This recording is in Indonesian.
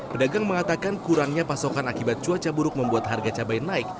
pedagang mengatakan kurangnya pasokan akibat cuaca buruk membuat harga cabai naik